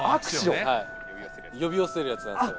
呼び寄せるやつなんですよ。